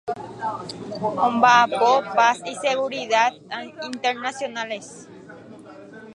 Subsecretario de Paz y Seguridad Internacionales.